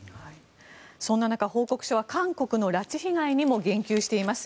そんな中、報告書は韓国の拉致被害にも言及しています。